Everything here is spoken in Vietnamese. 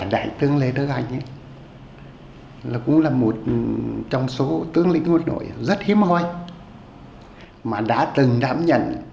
đại tướng lê đức anh cũng là một trong số tướng lĩnh quân đội rất hiếm hoi mà đã từng đảm nhận